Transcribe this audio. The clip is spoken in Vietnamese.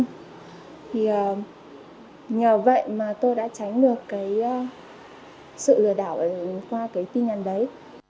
thì nhờ vậy mà tôi đã tránh được cái sự lừa đảo qua cái tin nhắn đấy